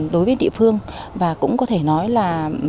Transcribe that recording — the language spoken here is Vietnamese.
đối với địa phương và cũng có thể nói là